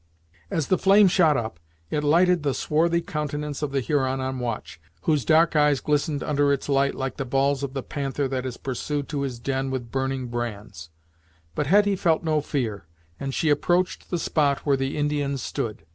As the flame shot up, it lighted the swarthy countenance of the Huron on watch, whose dark eyes glistened under its light like the balls of the panther that is pursued to his den with burning brands. But Hetty felt no fear, and she approached the spot where the Indian stood.